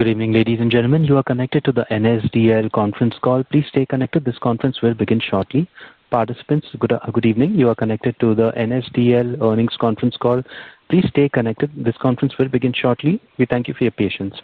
Good evening, ladies and gentlemen. You are connected to the NSDL conference call. Please stay connected. This conference will begin shortly. Participants, good evening. You are connected to the NSDL earnings conference call. Please stay connected. This conference will begin shortly. We thank you for your patience.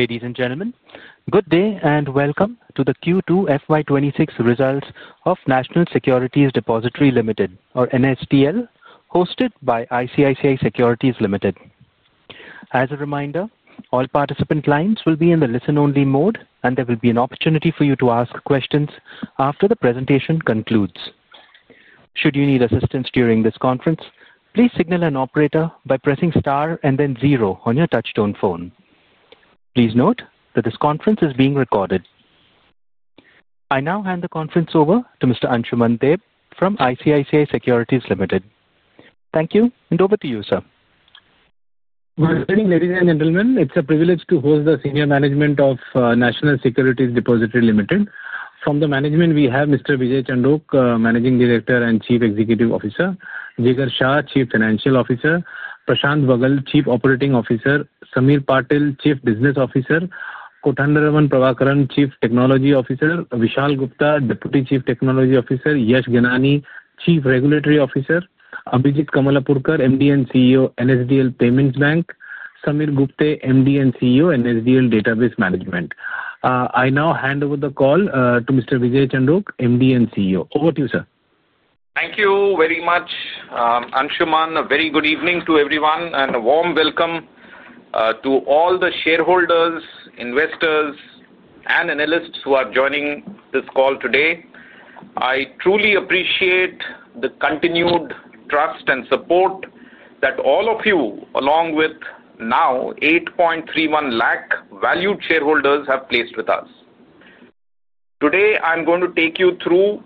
Ladies and gentlemen, good day and welcome to the Q2 FY 2026 results of National Securities Depository Limited, or NSDL, hosted by ICICI Securities Limited. As a reminder, all participant lines will be in the listen-only mode, and there will be an opportunity for you to ask questions after the presentation concludes. Should you need assistance during this conference, please signal an operator by pressing star and then zero on your touchstone phone. Please note that this conference is being recorded. I now hand the conference over to Mr. Anshuman Deb from ICICI Securities Limited. Thank you, and over to you, sir. Good evening, ladies and gentlemen. It's a privilege to host the senior management of National Securities Depository Limited. From the management, we have Mr. Vijay Chandok, Managing Director and Chief Executive Officer. Jigar Shah, Chief Financial Officer. Prashant Vagai, Chief Operating Officer. Sameer Patil, Chief Business Officer. Kothandaraman Prabhakaran, Chief Technology Officer. Vishal Gupta, Deputy Chief Technology Officer. Yash Gyanani, Chief Regulatory Officer. Abhijeet Kshirsagar, MD and CEO, NSDL Payments Bank. Sameer Gupte, MD and CEO, NSDL Database Management. I now hand over the call to Mr. Vijay Chandok, MD and CEO. Over to you, sir. Thank you very much, Anshuman. A very good evening to everyone and a warm welcome to all the shareholders, investors, and analysts who are joining this call today. I truly appreciate the continued trust and support that all of you, along with now 8.31 lakh valued shareholders, have placed with us. Today, I'm going to take you through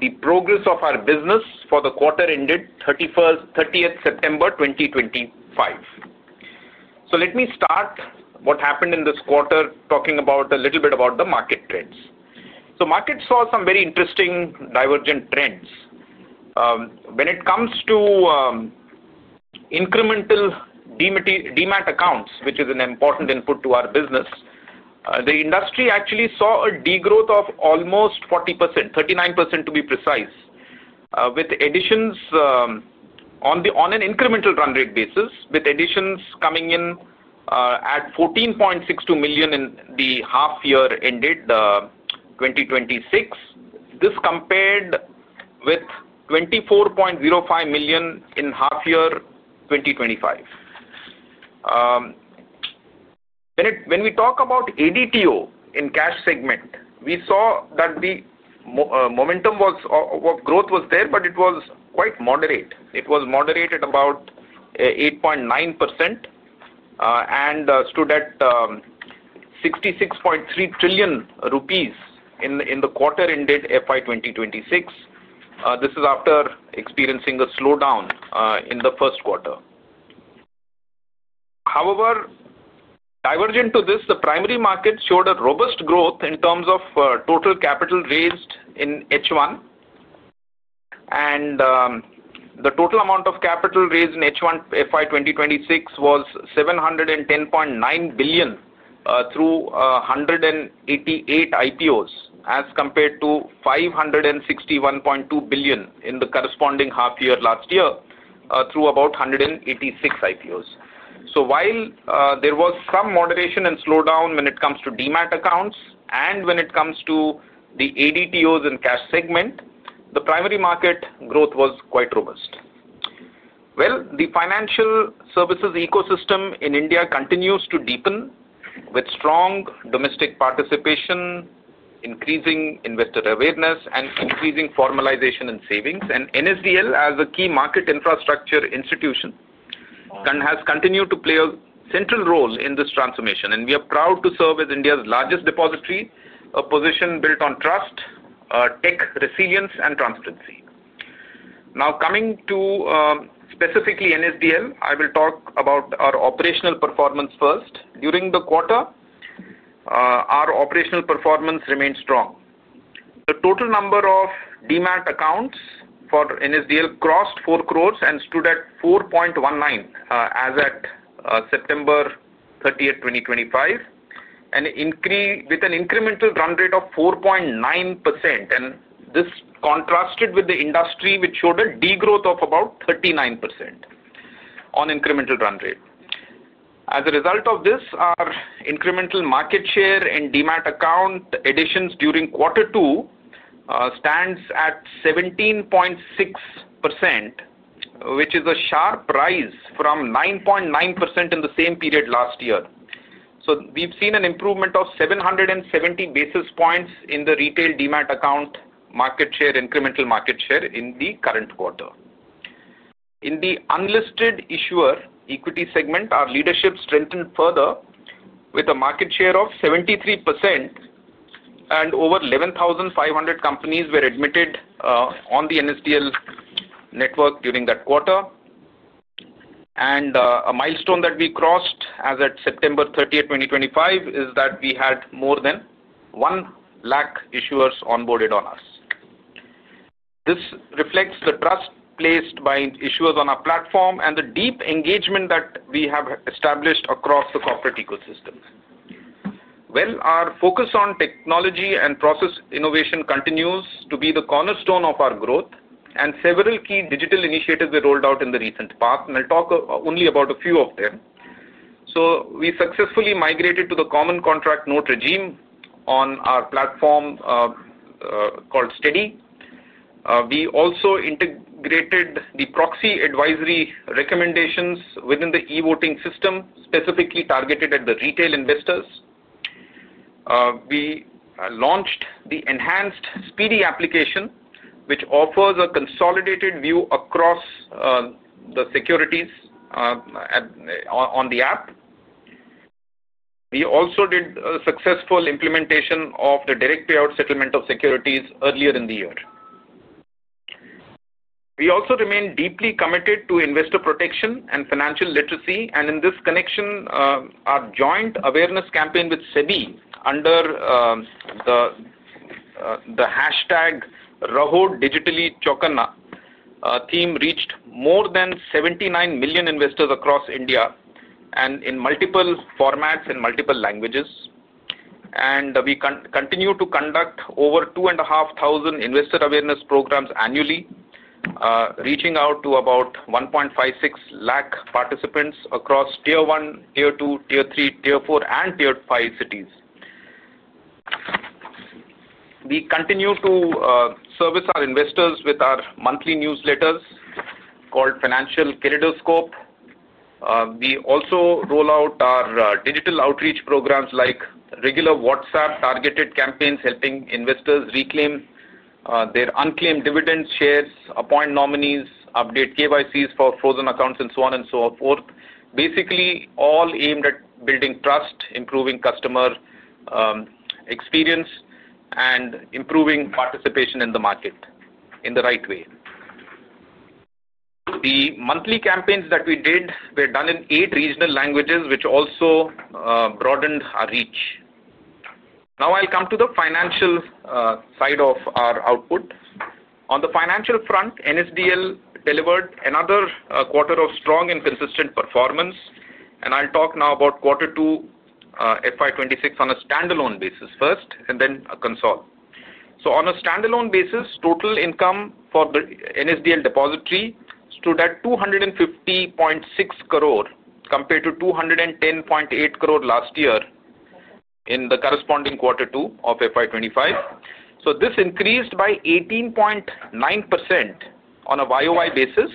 the progress of our business for the quarter ended 30th September 2024. Let me start what happened in this quarter, talking a little bit about the market trends. Markets saw some very interesting divergent trends. When it comes to incremental demat accounts, which is an important input to our business, the industry actually saw a degrowth of almost 40%, 39% to be precise, with additions on an incremental run rate basis, with additions coming in at 14.62 million in the half year ended 2025. This compared with 24.05 million in half year 2025. When we talk about ADTO in cash segment, we saw that the momentum was, or growth was there, but it was quite moderate. It was moderated about 8.9% and stood at 66.3 trillion rupees in the quarter ended FY 2026. This is after experiencing a slowdown in the first quarter. However, divergent to this, the primary market showed a robust growth in terms of total capital raised in H1, and the total amount of capital raised in H1 FY 2026 was 710.9 billion through 188 IPOs, as compared to 561.2 billion in the corresponding half year last year through about 186 IPOs. So while there was some moderation and slowdown when it comes to demat accounts and when it comes to the ADTOs in cash segment, the primary market growth was quite robust. The financial services ecosystem in India continues to deepen with strong domestic participation, increasing investor awareness, and increasing formalization and savings. And NSDL, as a key market infrastructure institution, has continued to play a central role in this transformation, and we are proud to serve as India's largest depository, a position built on trust, tech resilience, and transparency. Now, coming to specifically NSDL, I will talk about our operational performance first. During the quarter, our operational performance remained strong. The total number of demat accounts for NSDL crossed four crores and stood at 4.19 as at September 30th, 2024, with an incremental run rate of 4.9%. And this contrasted with the industry, which showed a degrowth of about 39% on incremental run rate. As a result of this, our incremental market share in demat account additions during quarter two stands at 17.6%, which is a sharp rise from 9.9% in the same period last year. We've seen an improvement of 770 basis points in the retail demat account market share, incremental market share in the current quarter. In the unlisted issuer equity segment, our leadership strengthened further with a market share of 73%, and over 11,500 companies were admitted on the NSDL network during that quarter. A milestone that we crossed as at September 30th, 2024, is that we had more than 1 lakh issuers onboarded on us. This reflects the trust placed by issuers on our platform and the deep engagement that we have established across the corporate ecosystem. Our focus on technology and process innovation continues to be the cornerstone of our growth, and several key digital initiatives were rolled out in the recent past, and I'll talk only about a few of them. We successfully migrated to the common contract note regime on our platform called Steady. We also integrated the proxy advisory recommendations within the e-voting system, specifically targeted at the retail investors. We launched the enhanced Speedy application, which offers a consolidated view across the securities on the app. We also did a successful implementation of the direct payout settlement of securities earlier in the year. We also remain deeply committed to investor protection and financial literacy, and in this connection, our joint awareness campaign with SEBI under the hashtag #RahoDigitallyChokanna theme reached more than 79 million investors across India and in multiple formats and multiple languages. We continue to conduct over 2,500 investor awareness programs annually, reaching out to about 1.56 lakh participants across Tier 1, Tier 2, Tier 3, Tier 4, and Tier 5 cities. We continue to service our investors with our monthly newsletters called Financial Kaleidoscope. We also roll out our digital outreach programs like regular WhatsApp targeted campaigns, helping investors reclaim their unclaimed dividend shares, appoint nominees, update KYCs for frozen accounts, and so on and so forth. Basically, all aimed at building trust, improving customer experience, and improving participation in the market in the right way. The monthly campaigns that we did were done in eight regional languages, which also broadened our reach. Now, I'll come to the financial side of our output. On the financial front, NSDL delivered another quarter of strong and consistent performance, and I'll talk now about quarter two FY 2026 on a standalone basis first and then a console. On a standalone basis, total income for the NSDL Depository stood at 250.6 crore compared to 210.8 crore last year in the corresponding quarter two of FY 2025. This increased by 18.9% on a year-over-year basis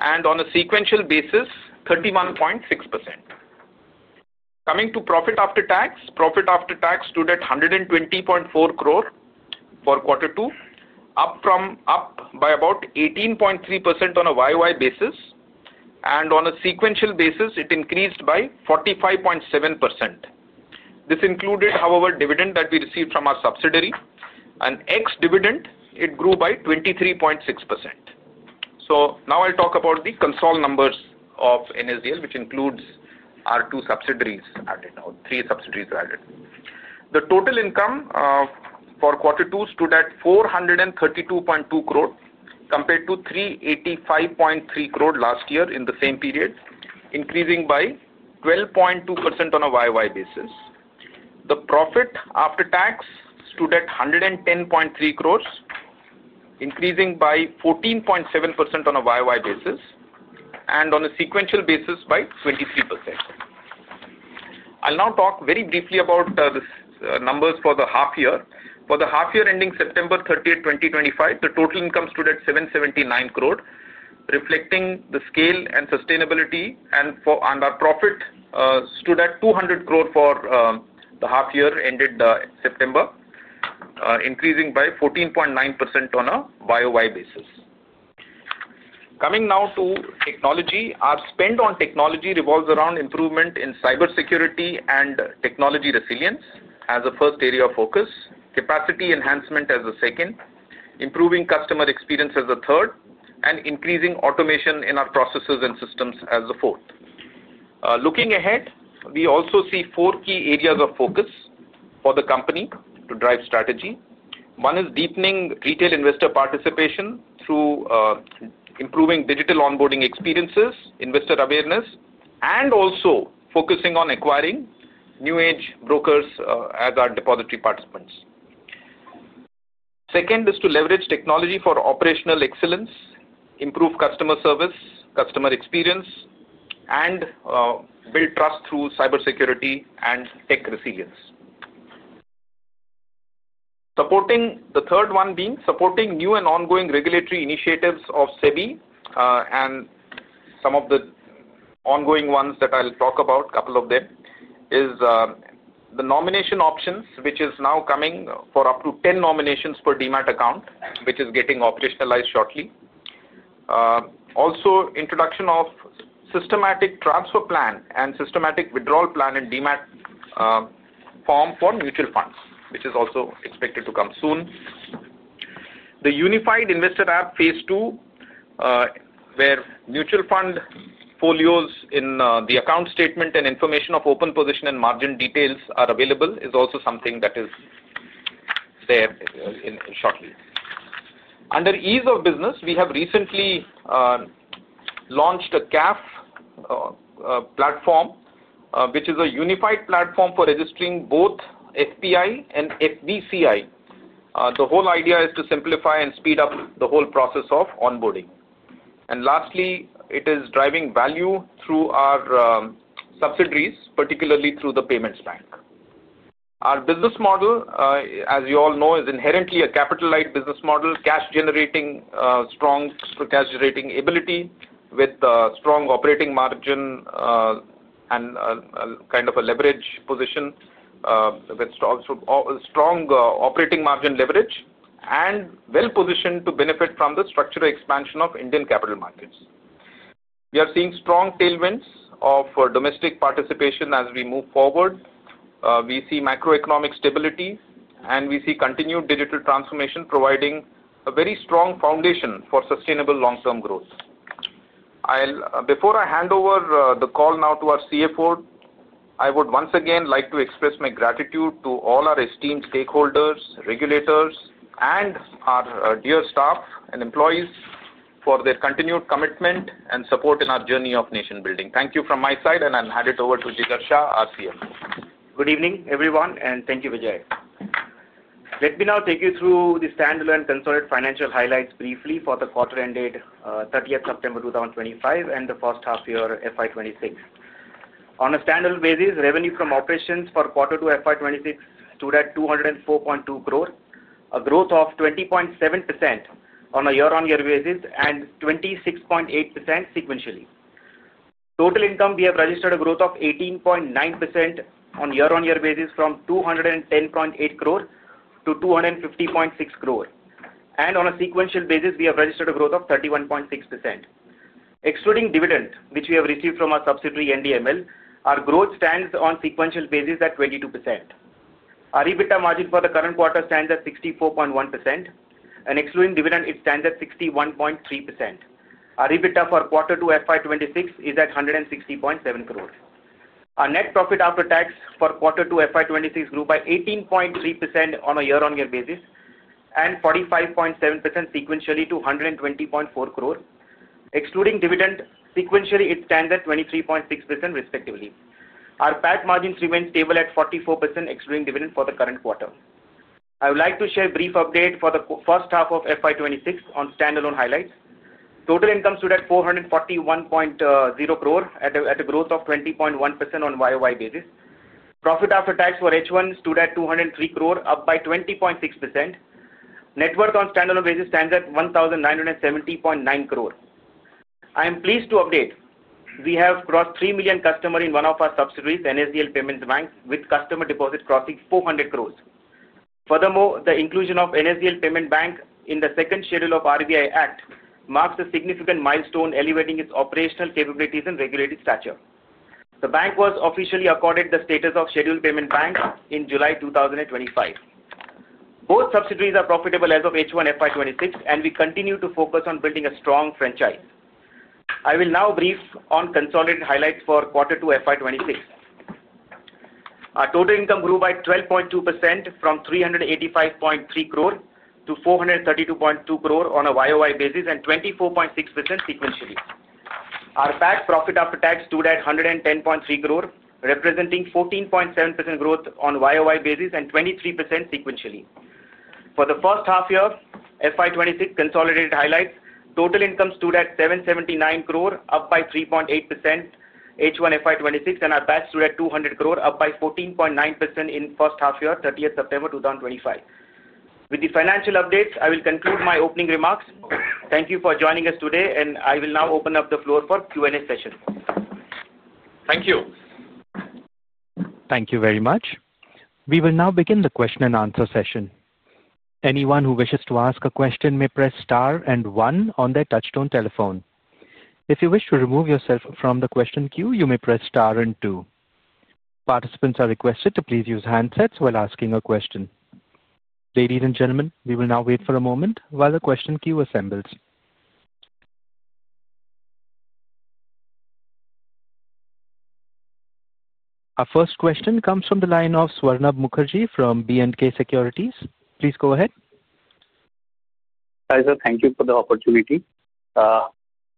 and on a sequential basis, 31.6%. Coming to profit after tax, profit after tax stood at 120.4 crore for quarter two, up by about 18.3% on a year-over-year basis, and on a sequential basis, it increased by 45.7%. This included, however, dividend that we received from our subsidiary. On ex-dividend, it grew by 23.6%. Now I'll talk about the console numbers of NSDL, which includes our two subsidiaries added or three subsidiaries added. The total income for quarter two stood at 432.2 crore compared to 385.3 crore last year in the same period, increasing by 12.2% on a YoY basis. The profit after tax stood at 110.3 crore, increasing by 14.7% on a YoY basis, and on a sequential basis by 23%. I'll now talk very briefly about the numbers for the half year. For the half year ending September 30th, 2025, the total income stood at 779 crore, reflecting the scale and sustainability, and our profit stood at 200 crore for the half year ended September, increasing by 14.9% on a YoY basis. Coming now to technology, our spend on technology revolves around improvement in cybersecurity and technology resilience as the first area of focus, capacity enhancement as the second, improving customer experience as the third, and increasing automation in our processes and systems as the fourth. Looking ahead, we also see four key areas of focus for the company to drive strategy. One is deepening retail investor participation through improving digital onboarding experiences, investor awareness, and also focusing on acquiring new-age brokers as our depository participants. Second is to leverage technology for operational excellence, improve customer service, customer experience, and build trust through cybersecurity and tech resilience. Supporting the third one being supporting new and ongoing regulatory initiatives of SEBI and some of the ongoing ones that I'll talk about, a couple of them, is the nomination options, which is now coming for up to 10 nominations per demat account, which is getting operationalized shortly. Also, introduction of systematic transfer plan and systematic withdrawal plan in demat form for mutual funds, which is also expected to come soon. The unified investor app phase two, where mutual fund folios in the account statement and information of open position and margin details are available, is also something that is there shortly. Under ease of business, we have recently launched a CAF Platform, which is a unified platform for registering both FPI and FBCI. The whole idea is to simplify and speed up the whole process of onboarding. Lastly, it is driving value through our subsidiaries, particularly through the payments bank. Our business model, as you all know, is inherently a capital-light business model, cash-generating strong cash-generating ability with strong operating margin and kind of a leverage position with strong operating margin leverage and well-positioned to benefit from the structural expansion of Indian capital markets. We are seeing strong tailwinds of domestic participation as we move forward. We see macroeconomic stability, and we see continued digital transformation providing a very strong foundation for sustainable long-term growth. Before I hand over the call now to our CFO, I would once again like to express my gratitude to all our esteemed stakeholders, regulators, and our dear staff and employees for their continued commitment and support in our journey of nation building. Thank you from my side, and I'll hand it over to Jigar Shah, CFO. Good evening, everyone, and thank you, Vijay. Let me now take you through the standalone consolidated financial highlights briefly for the quarter ended 30th September 2024 and the first half year FY 2025. On a standalone basis, revenue from operations for quarter two FY 2025 stood at 204.2 crore, a growth of 20.7% on a year-on-year basis and 26.8% sequentially. Total income, we have registered a growth of 18.9% on year-on-year basis from 210.8 crore to 250.6 crore. On a sequential basis, we have registered a growth of 31.6%. Excluding dividend, which we have received from our subsidiary NDML, our growth stands on sequential basis at 22%. Our EBITDA margin for the current quarter stands at 64.1%, and excluding dividend, it stands at 61.3%. Our EBITDA for quarter two FY 2026 is at 160.7 crore. Our net profit after tax for quarter two FY 2026 grew by 18.3% on a year-on-year basis and 45.7% sequentially to 120.4 crore. Excluding dividend, sequentially it stands at 23.6% respectively. Our PAT margins remain stable at 44% excluding dividend for the current quarter. I would like to share a brief update for the first half of FY 2026 on standalone highlights. Total income stood at 441.0 crore at a growth of 20.1% on YoY basis. Profit after tax for H1 stood at 203 crore, up by 20.6%. Net worth on standalone basis stands at 1,970.9 crore. I am pleased to update we have crossed three million customers in one of our subsidiaries, NSDL Payments Bank, with customer deposit crossing 400 crore. Furthermore, the inclusion of NSDL Payments Bank in the second schedule of RBI Act marks a significant milestone elevating its operational capabilities and regulatory stature. The bank was officially accorded the status of scheduled payment bank in July 2024. Both subsidiaries are profitable as of H1 FY 2025, and we continue to focus on building a strong franchise. I will now brief on consolidated highlights for quarter two FY 2025. Our total income grew by 12.2% from 385.3 crore to 432.2 crore on a year-over-year basis and 24.6% sequentially. Our PAT profit after tax stood at 110.3 crore, representing 14.7% growth on year-over-year basis and 23% sequentially. For the first half year FY 2026 consolidated highlights, total income stood at 779 crore, up by 3.8% H1 FY 2026, and our PAT stood at 200 crore, up by 14.9% in first half year, 30th September 2025. With the financial updates, I will conclude my opening remarks. Thank you for joining us today, and I will now open up the floor for Q&A session. Thank you. Thank you very much. We will now begin the question-and-answer session. Anyone who wishes to ask a question may press star and one on their touchstone telephone. If you wish to remove yourself from the question queue, you may press star and two. Participants are requested to please use handsets while asking a question. Ladies and gentlemen, we will now wait for a moment while the question queue assembles. Our first question comes from the line of Swarnabha Mukherjee from B&K Securities. Please go ahead. Hi sir, thank you for the opportunity. A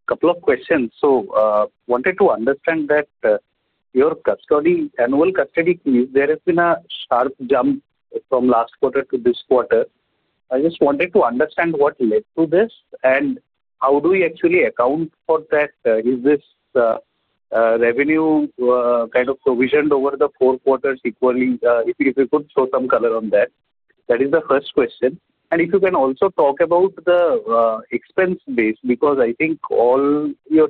couple of questions. So I wanted to understand that your annual custody fee, there has been a sharp jump from last quarter to this quarter. I just wanted to understand what led to this and how do we actually account for that? Is this revenue kind of provisioned over the four quarters equally? If you could show some color on that. That is the first question. And if you can also talk about the expense base, because I think all your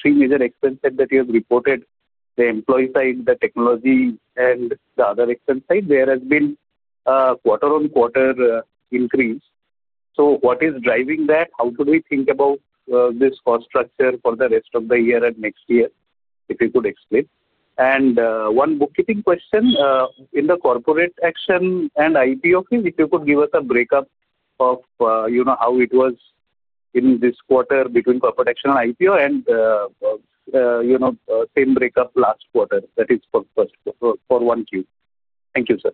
three major expenses that you have reported, the employee side, the technology, and the other expense side, there has been a quarter-on-quarter increase. So what is driving that? How could we think about this cost structure for the rest of the year and next year if you could explain? And one bookkeeping question in the corporate action and IPO, if you could give us a breakup of how it was in this quarter between corporate action and IPO and same breakup last quarter, that is for one queue. Thank you, sir.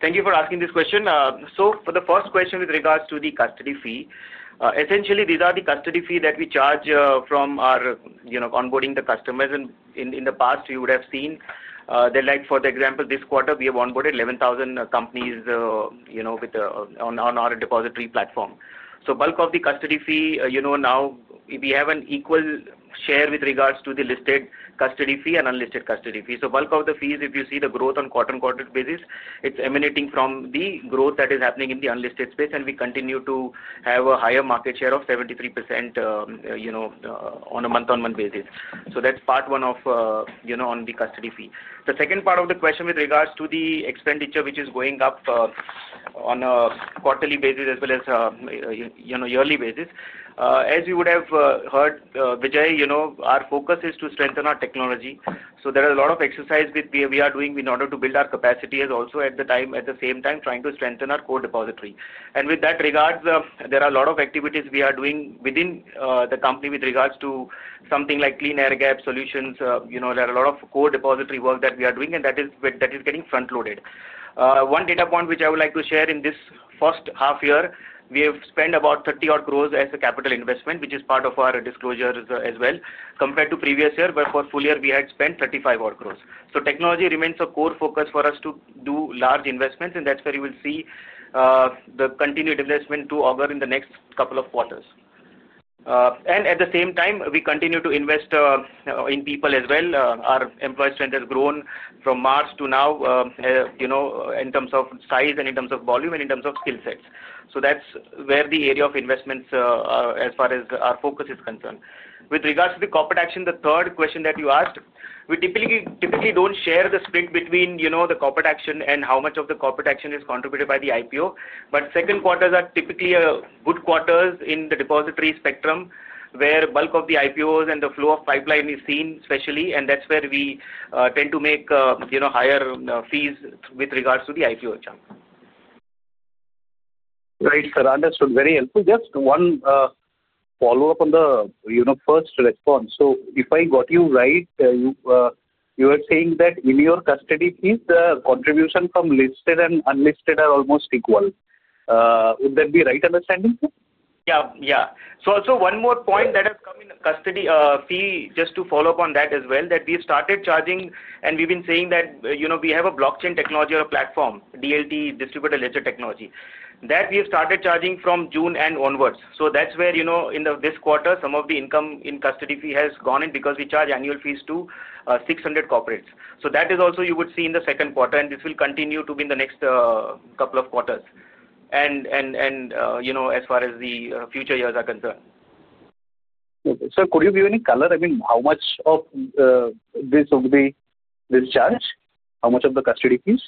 Thank you for asking this question. So for the first question with regards to the custody fee, essentially these are the custody fee that we charge from our onboarding the customers. And in the past, you would have seen that for the example, this quarter we have onboarded 11,000 companies on our depository platform. So bulk of the custody fee, now we have an equal share with regards to the listed custody fee and unlisted custody fee. So bulk of the fees, if you see the growth on quarter-on-quarter basis, it's emanating from the growth that is happening in the unlisted space, and we continue to have a higher market share of 73% on a month-on-month basis. So that's part one of on the custody fee. The second part of the question with regards to the expenditure, which is going up on a quarterly basis as well as yearly basis. As you would have heard, Vijay, our focus is to strengthen our technology. So there are a lot of exercises we are doing in order to build our capacity as also at the same time trying to strengthen our core depository. And with that regards, there are a lot of activities we are doing within the company with regards to something like clean air gap solutions. There are a lot of core depository work that we are doing, and that is getting front-loaded. One data point which I would like to share in this first half year, we have spent about 30 odd crores as a capital investment, which is part of our disclosures as well. Compared to previous year, before full year, we had spent 35 odd crores. So technology remains a core focus for us to do large investments, and that's where you will see the continued investment to augur in the next couple of quarters. And at the same time, we continue to invest in people as well. Our employee strength has grown from March to now in terms of size and in terms of volume and in terms of skill sets. So that's where the area of investments as far as our focus is concerned. With regards to the corporate action, the third question that you asked, we typically don't share the split between the corporate action and how much of the corporate action is contributed by the IPO. But second quarters are typically good quarters in the depository spectrum where bulk of the IPOs and the flow of pipeline is seen especially, and that's where we tend to make higher fees with regards to the IPO chunk. Right, sir. Understood. Very helpful. Just one follow-up on the first response. So if I got you right, you were saying that in your custody fees, the contribution from listed and unlisted are almost equal. Would that be right understanding? Yeah. Yeah. So also one more point that has come in custody fee, just to follow up on that as well, that we started charging, and we've been saying that we have a blockchain technology or a platform, DLT, distributed ledger technology, that we have started charging from June and onwards. So that's where in this quarter, some of the income in custody fee has gone in because we charge annual fees to 600 corporates. So that is also you would see in the second quarter, and this will continue to be in the next couple of quarters and as far as the future years are concerned. Okay. Sir, could you give any color? I mean, how much of this would be discharged? How much of the custody fees?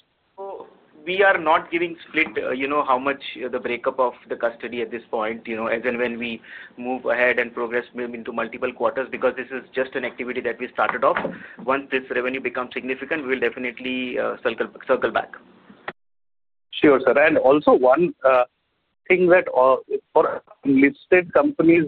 We are not giving split how much the breakup of the custody at this point as and when we move ahead and progress into multiple quarters because this is just an activity that we started off. Once this revenue becomes significant, we will definitely circle back. Sure, sir. And also one thing that for listed companies,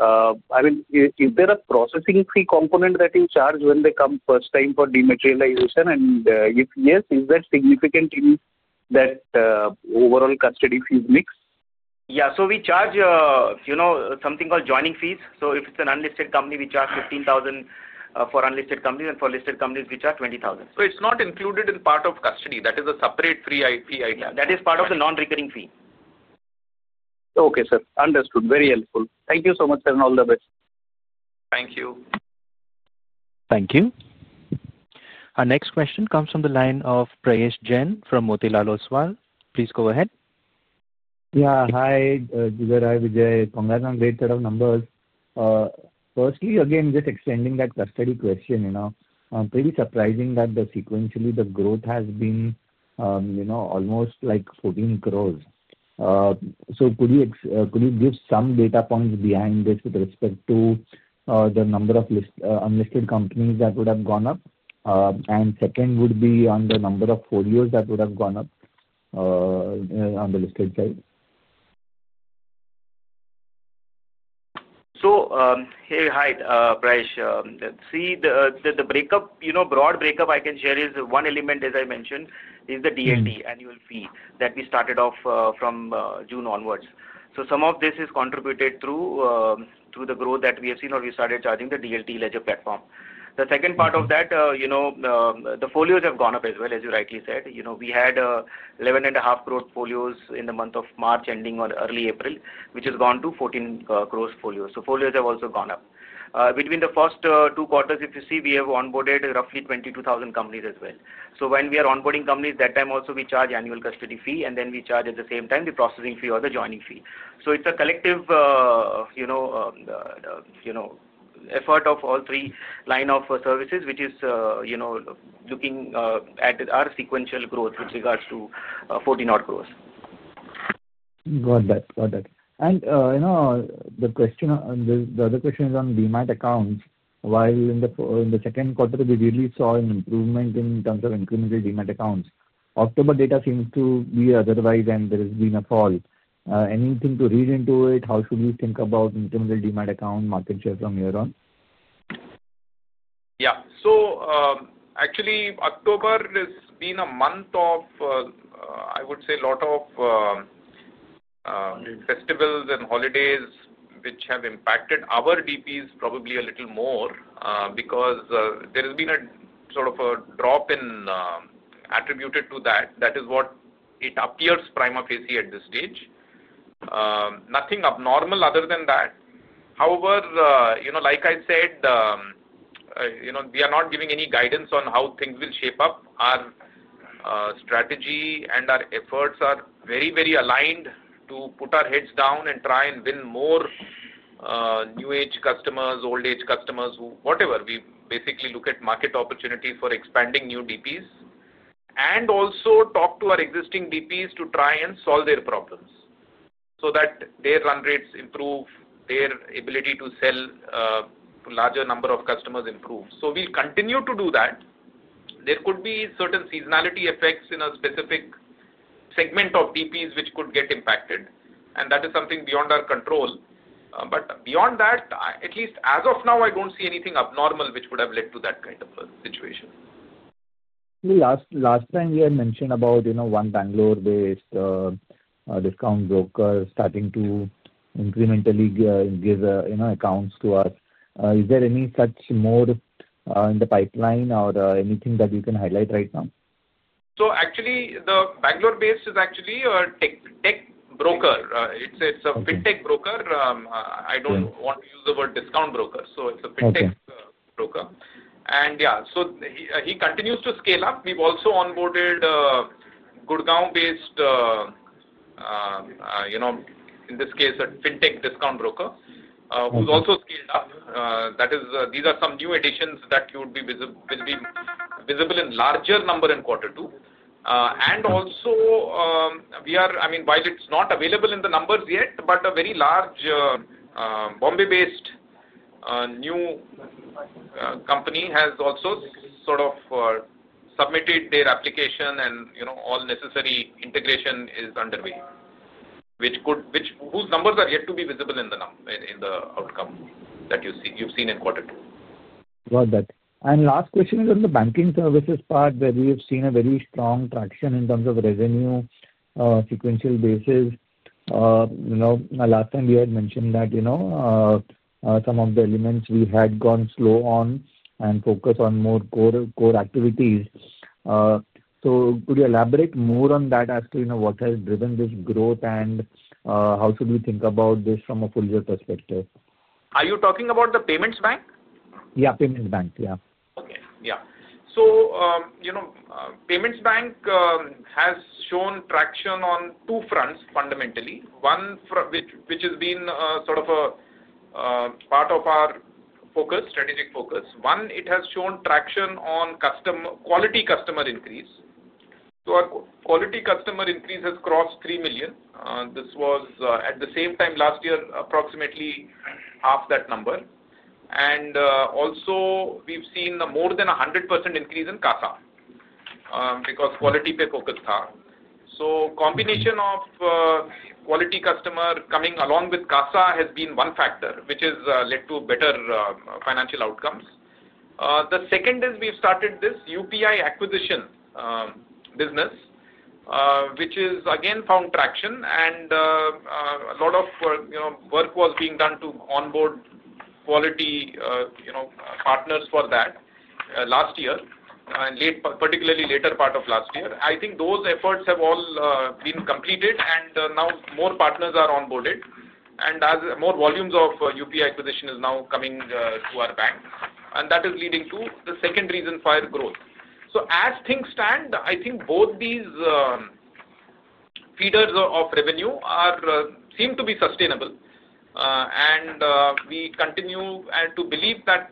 I mean, is there a processing fee component that you charge when they come first time for dematerialization? And if yes, is that significant in that overall custody fee mix? Yeah. So we charge something called joining fees. So if it's an unlisted company, we charge 15,000 for unlisted companies, and for listed companies, we charge 20,000. So it's not included in part of custody. That is a separate fee item. That is part of the non-recurring fee. Okay, sir. Understood. Very helpful. Thank you so much, sir, and all the best. Thank you. Thank you. Our next question comes from the line of Prakash Jain from Motilal Oswal. Please go ahead. Yeah. Hi, Jigar and Vijay. Congrats on great set of numbers. Firstly, again, just extending that custody question, pretty surprising that sequentially the growth has been almost like 14 crores. So could you give some data points behind this with respect to the number of unlisted companies that would have gone up? And second would be on the number of folios that would have gone up on the listed side? So hey, hi, Prakash. See, the broad breakup I can share is one element, as I mentioned, is the DLT annual fee that we started off from June onwards. So some of this is contributed through the growth that we have seen or we started charging the DLT ledger platform. The second part of that, the folios have gone up as well, as you rightly said. We had 11 and a half crore folios in the month of March ending on early April, which has gone to 14 crores folios. So folios have also gone up. Between the first two quarters, if you see, we have onboarded roughly 22,000 companies as well. So when we are onboarding companies, that time also we charge annual custody fee, and then we charge at the same time the processing fee or the joining fee. So it's a collective effort of all three lines of services, which is looking at our sequential growth with regards to 14 odd crores. Got that. Got that. And the question on the other question is on demat accounts. While in the second quarter, we really saw an improvement in terms of incremental demat accounts. October data seems to be otherwise, and there has been a fall. Anything to read into it? How should we think about incremental demat account market share from here on? Yeah. So actually, October has been a month of, I would say, a lot of festivals and holidays, which have impacted our DPs probably a little more because there has been a sort of a drop in attributed to that. That is what it appears prima facie at this stage. Nothing abnormal other than that. However, like I said, we are not giving any guidance on how things will shape up. Our strategy and our efforts are very, very aligned to put our heads down and try and win more new-age customers, old-age customers, whatever. We basically look at market opportunities for expanding new DPs and also talk to our existing DPs to try and solve their problems so that their run rates improve, their ability to sell to a larger number of customers improves. So we'll continue to do that. There could be certain seasonality effects in a specific segment of DPs, which could get impacted, and that is something beyond our control. But beyond that, at least as of now, I don't see anything abnormal which would have led to that kind of a situation. Last time, we had mentioned about one Bangalore-based discount broker starting to incrementally give accounts to us. Is there any such more in the pipeline or anything that you can highlight right now? So actually, the Bangalore-based is actually a tech broker. It's a fintech broker. I don't want to use the word discount broker. So it's a fintech broker. And yeah, so he continues to scale up. We've also onboarded Gurgaon-based, in this case, a fintech discount broker who's also scaled up. These are some new additions that will be visible in a larger number in quarter two. And also, I mean, while it's not available in the numbers yet, but a very large Bombay-based new company has also sort of submitted their application, and all necessary integration is underway, which whose numbers are yet to be visible in the outcome that you've seen in quarter two. Got that. And last question is on the banking services part, where we have seen a very strong traction in terms of revenue sequential basis. Last time, we had mentioned that some of the elements we had gone slow on and focus on more core activities. So could you elaborate more on that as to what has driven this growth, and how should we think about this from a foliar perspective? Are you talking about the Payments Bank? Yeah, Payments Bank. Yeah. Okay. Yeah. So Payments Bank has shown traction on two fronts, fundamentally. One, which has been sort of a part of our strategic focus. One, it has shown traction on quality customer increase. So our quality customer increase has crossed 3 million. This was at the same time last year, approximately half that number. And also, we've seen more than 100% increase in Kassa because quality pay focus there. So combination of quality customer coming along with Kassa has been one factor, which has led to better financial outcomes. The second is we've started this UPI acquisition business, which has again found traction, and a lot of work was being done to onboard quality partners for that last year, particularly later part of last year. I think those efforts have all been completed, and now more partners are onboarded, and more volumes of UPI acquisition is now coming to our bank, and that is leading to the second reason for growth. So as things stand, I think both these feeders of revenue seem to be sustainable, and we continue to believe that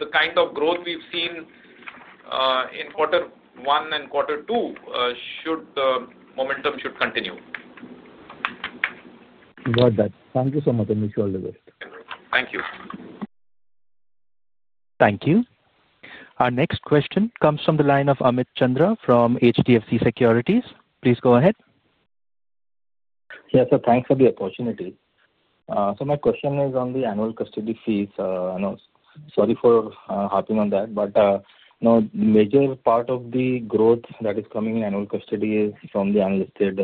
the kind of growth we've seen in quarter one and quarter two should momentum continue. Got that. Thank you so much, Mr. Chandok. Thank you. Thank you. Our next question comes from the line of Amit Chandra from HDFC Securities. Please go ahead. Yes, sir. Thanks for the opportunity. So my question is on the annual custody fees. Sorry for hopping on that, but the major part of the growth that is coming in annual custody is from the unlisted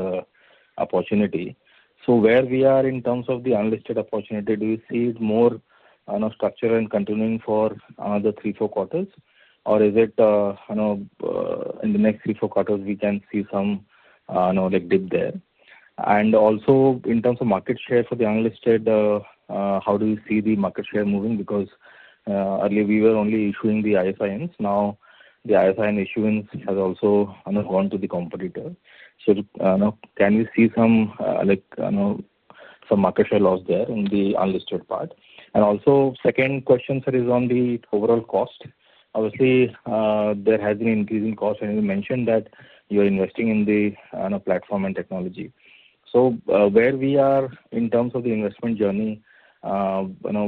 opportunity. So where we are in terms of the unlisted opportunity, do you see more structure and continuing for the three, four quarters, or is it in the next three, four quarters, we can see some dip there? And also, in terms of market share for the unlisted, how do you see the market share moving? Because earlier, we were only issuing the ISINs. Now, the ISIN issuance has also gone to the competitor. So can we see some market share loss there in the unlisted part? And also, second question, sir, is on the overall cost. Obviously, there has been increasing cost. I mentioned that you're investing in the platform and technology. So where we are in terms of the investment journey,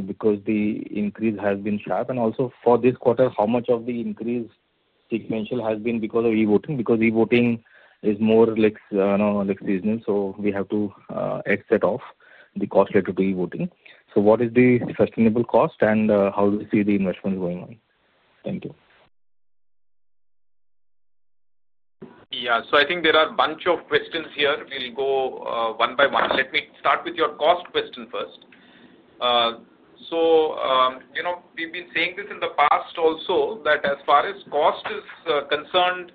because the increase has been sharp, and also for this quarter, how much of the increase sequential has been because of e-voting? Because e-voting is more seasonal, so we have to exit off the cost related to e-voting. So what is the sustainable cost, and how do you see the investment going on? Thank you. Yeah. So I think there are a bunch of questions here. We'll go one by one. Let me start with your cost question first. So we've been saying this in the past also, that as far as cost is concerned,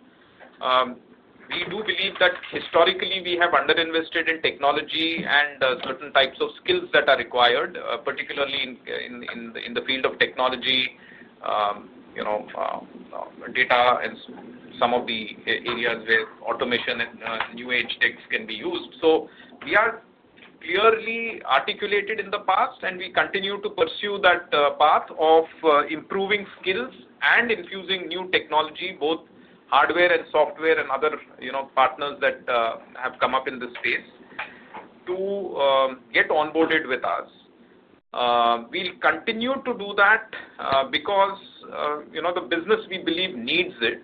we do believe that historically, we have underinvested in technology and certain types of skills that are required, particularly in the field of technology, data, and some of the areas where automation and new-age techs can be used. So we are clearly articulated in the past, and we continue to pursue that path of improving skills and infusing new technology, both hardware and software and other partners that have come up in this space to get onboarded with us. We'll continue to do that because the business we believe needs it.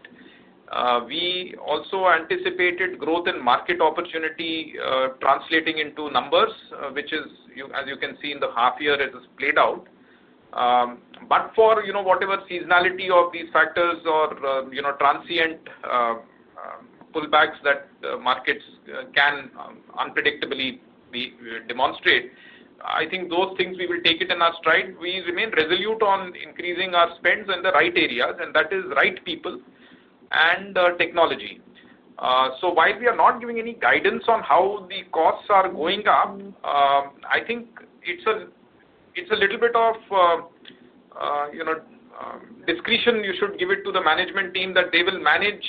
We also anticipated growth in market opportunity translating into numbers, which, as you can see in the half year, has played out. But for whatever seasonality of these factors or transient pullbacks that markets can unpredictably demonstrate, I think those things we will take it in our stride. We remain resolute on increasing our spends in the right areas, and that is right people and technology. So while we are not giving any guidance on how the costs are going up, I think it's a little bit of discretion. You should give it to the management team that they will manage;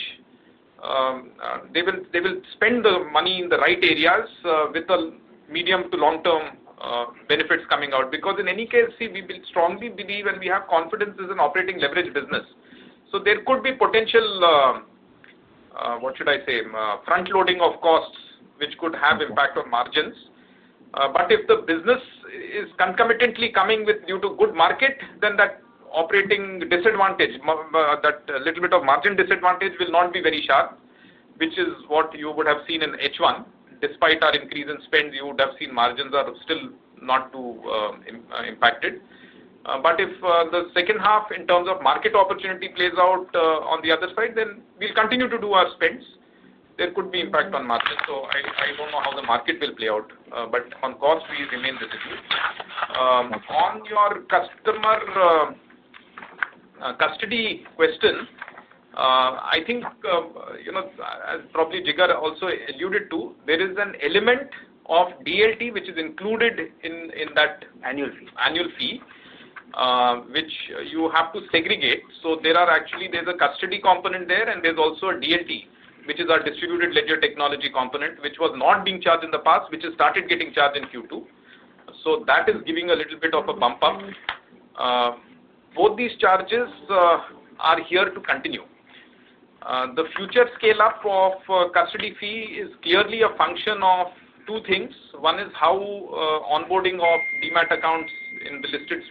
they will spend the money in the right areas with medium to long-term benefits coming out. Because in any case, we strongly believe and we have confidence this is an operating leverage business. So there could be potential, what should I say, front-loading of costs, which could have impact on margins. But if the business is concomitantly coming due to good market, then that operating disadvantage, that little bit of margin disadvantage will not be very sharp, which is what you would have seen in H1. Despite our increase in spend, you would have seen margins are still not too impacted. But if the second half in terms of market opportunity plays out on the other side, then we'll continue to do our spends. There could be impact on margins. So I don't know how the market will play out, but on cost, we remain resolute. On your customer custody question, I think, as probably Jigar also alluded to, there is an element of DLT, which is included in that annual fee, which you have to segregate. So actually, there's a custody component there, and there's also a DLT, which is our distributed ledger technology component, which was not being charged in the past, which has started getting charged in Q2. So that is giving a little bit of a bump up. Both these charges are here to continue. The future scale-up of custody fee is clearly a function of two things. One is how onboarding of demat accounts in the listed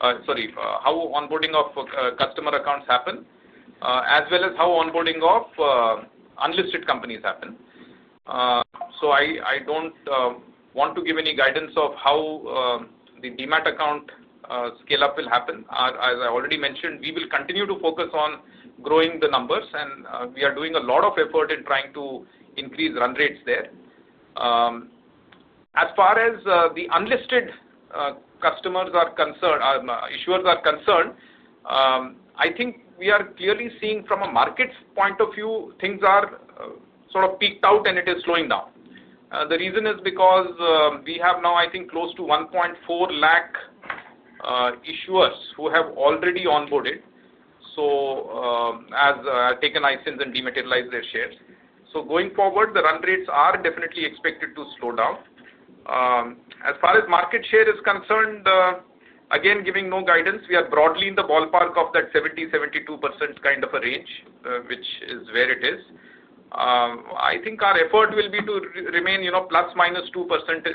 space—sorry, how onboarding of customer accounts happen—as well as how onboarding of unlisted companies happen. So I don't want to give any guidance of how the demat account scale-up will happen. As I already mentioned, we will continue to focus on growing the numbers, and we are doing a lot of effort in trying to increase run rates there. As far as the unlisted customers are concerned, issuers are concerned, I think we are clearly seeing from a market point of view, things are sort of peaked out, and it is slowing down. The reason is because we have now, I think, close to 1.4 lakh issuers who have already onboarded, so as taken license and dematerialized their shares. So going forward, the run rates are definitely expected to slow down. As far as market share is concerned, again, giving no guidance, we are broadly in the ballpark of that 70, 72 percent kind of a range, which is where it is. I think our effort will be to remain ±2 percent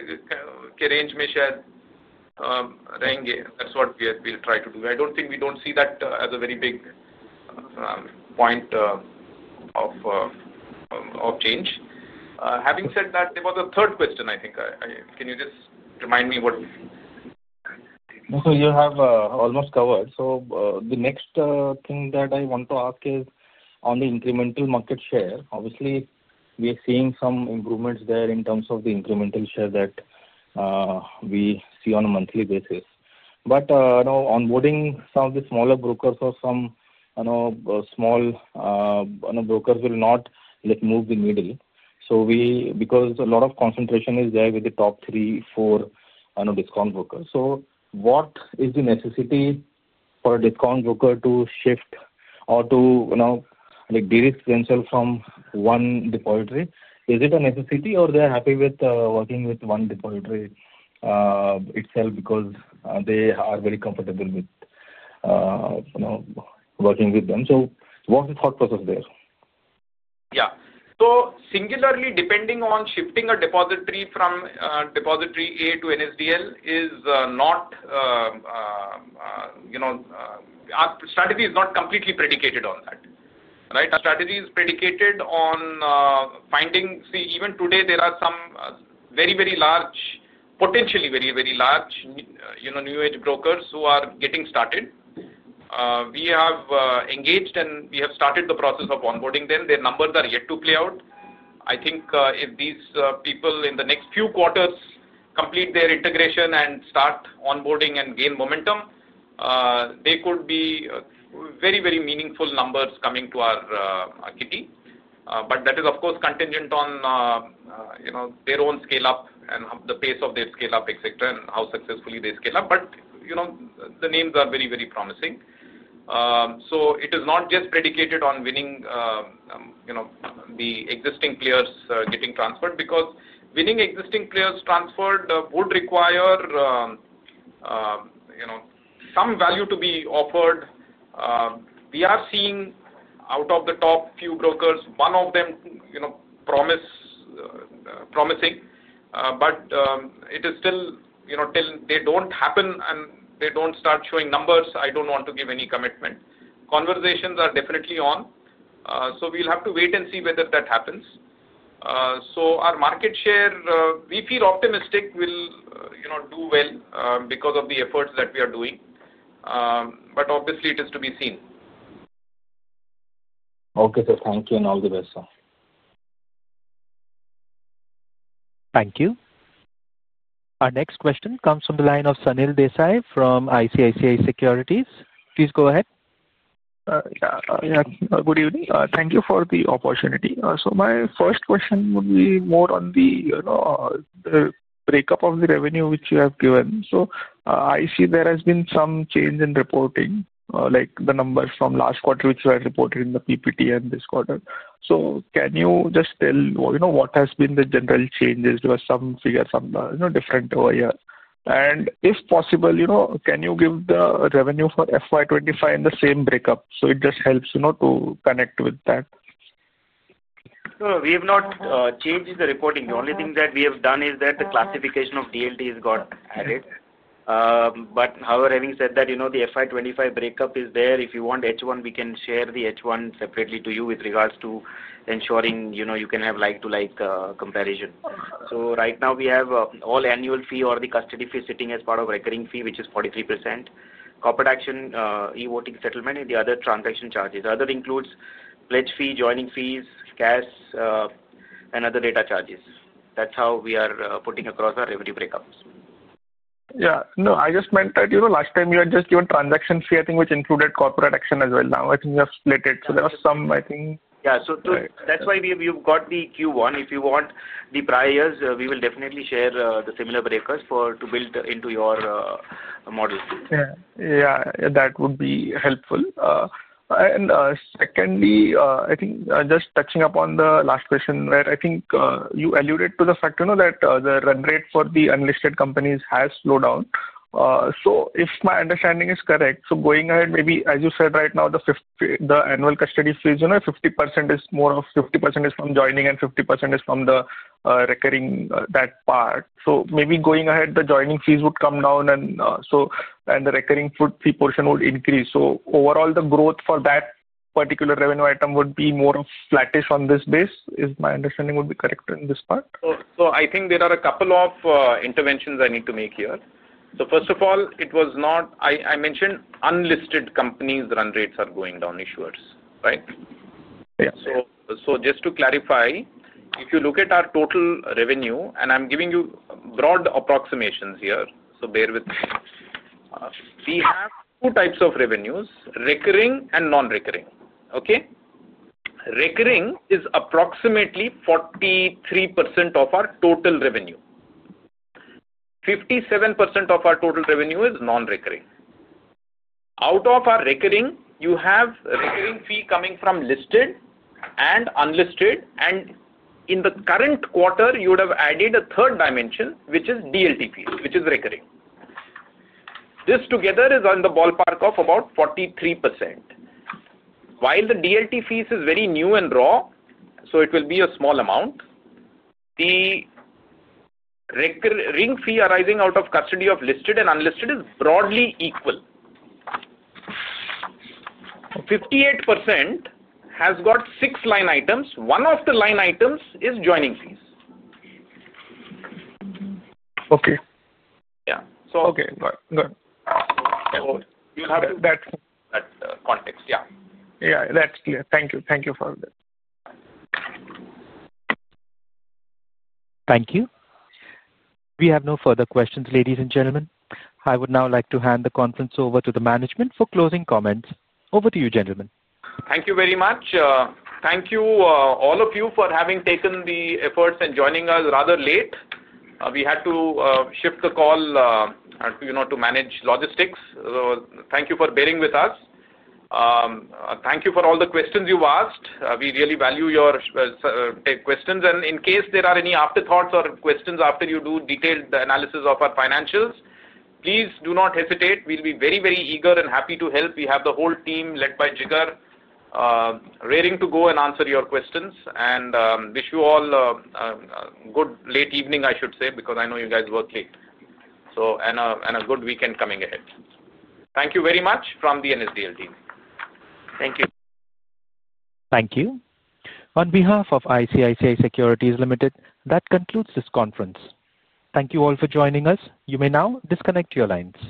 range may share range. That's what we'll try to do. I don't think we don't see that as a very big point of change. Having said that, there was a third question, I think. Can you just remind me what? So you have almost covered. So the next thing that I want to ask is on the incremental market share. Obviously, we are seeing some improvements there in terms of the incremental share that we see on a monthly basis. But onboarding some of the smaller brokers or some small brokers will not move the middle because a lot of concentration is there with the top three, four discount brokers. So what is the necessity for a discount broker to shift or to de-risk themselves from one depository? Is it a necessity, or they are happy with working with one depository itself because they are very comfortable with working with them? So what's the thought process there? Yeah. So singularly, depending on shifting a depository from Depository A to NSDL, our strategy is not completely predicated on that, right? Our strategy is predicated on finding—see, even today, there are some very, very large, potentially very, very large new-age brokers who are getting started. We have engaged, and we have started the process of onboarding them. Their numbers are yet to play out. I think if these people in the next few quarters complete their integration and start onboarding and gain momentum, there could be very, very meaningful numbers coming to our kitty. But that is, of course, contingent on their own scale-up and the pace of their scale-up, etc., and how successfully they scale up. But the names are very, very promising. So it is not just predicated on winning the existing players getting transferred because winning existing players transferred would require some value to be offered. We are seeing out of the top few brokers, one of them promising, but it is still till they don't happen and they don't start showing numbers, I don't want to give any commitment. Conversations are definitely on. So we'll have to wait and see whether that happens. So our market share, we feel optimistic will do well because of the efforts that we are doing. But obviously, it is to be seen. Okay. So thank you and all the best, sir. Thank you. Our next question comes from the line of Sanil Desai from ICICI Securities. Please go ahead. Yeah. Good evening. Thank you for the opportunity. So my first question would be more on the breakup of the revenue which you have given. So I see there has been some change in reporting, like the numbers from last quarter which you had reported in the PPT and this quarter. So can you just tell what has been the general changes? There were some figures, some different over here. And if possible, can you give the revenue for FY 2025 in the same breakup? So it just helps to connect with that. So we have not changed the reporting. The only thing that we have done is that the classification of DLT has got added. But however, having said that, the FY 2025 breakup is there. If you want H1, we can share the H1 separately to you with regards to ensuring you can have like-to-like comparison. So right now, we have all annual fee or the custody fee sitting as part of recurring fee, which is 43%, corporate action, e-voting settlement, and the other transaction charges. The other includes pledge fee, joining fees, cash, and other data charges. That's how we are putting across our revenue breakups. Yeah. No, I just meant that last time you had just given transaction fee, I think, which included corporate action as well. Now, I think you have split it. So there was some, I think. Yeah. So that's why we've got the Q1. If you want the priors, we will definitely share the similar breakers to build into your model. Yeah. That would be helpful. And secondly, I think just touching upon the last question, right? I think you alluded to the fact that the run rate for the unlisted companies has slowed down. So if my understanding is correct, so going ahead, maybe, as you said right now, the annual custody fees, 50% is more of 50% is from joining and 50% is from the recurring that part. So maybe going ahead, the joining fees would come down, and the recurring fee portion would increase. So overall, the growth for that particular revenue item would be more of flattish on this base, is my understanding would be correct in this part? So I think there are a couple of interventions I need to make here. So first of all, it was not I mentioned unlisted companies' run rates are going down, issuers, right? So just to clarify, if you look at our total revenue, and I'm giving you broad approximations here, so bear with me. We have two types of revenues: recurring and non-recurring. Okay? Recurring is approximately 43% of our total revenue. 57% of our total revenue is non-recurring. Out of our recurring, you have recurring fee coming from listed and unlisted. And in the current quarter, you would have added a third dimension, which is DLT fees, which is recurring. This together is in the ballpark of about 43%. While the DLT fees is very new and raw, so it will be a small amount. The recurring fee arising out of custody of listed and unlisted is broadly equal. 58% has got six line items. One of the line items is joining fees. Okay. Yeah. So okay. Good. You'll have that context. Yeah. Yeah. That's clear. Thank you. Thank you for that. Thank you. We have no further questions, ladies and gentlemen. I would now like to hand the conference over to the management for closing comments. Over to you, gentlemen. Thank you very much. Thank you, all of you, for having taken the efforts and joining us rather late. We had to shift the call to manage logistics. So thank you for bearing with us. Thank you for all the questions you've asked. We really value your questions. And in case there are any afterthoughts or questions after you do detailed analysis of our financials, please do not hesitate. We'll be very, very eager and happy to help. We have the whole team led by Jigar raring to go and answer your questions. And wish you all a good late evening, I should say, because I know you guys work late. And a good weekend coming ahead. Thank you very much from the NSDL team. Thank you. Thank you. On behalf of ICICI Securities Limited, that concludes this conference. Thank you all for joining us. You may now disconnect your lines.